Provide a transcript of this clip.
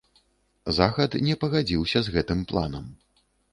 Захад не пагадзіўся з гэтым планам.